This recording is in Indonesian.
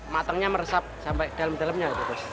matangnya meresap sampai dalam dalamnya